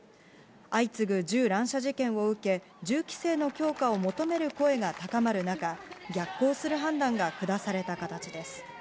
相次ぐ銃乱射事件を受け、銃規制の強化を求める声が高まる中、逆行する判断が下された形です。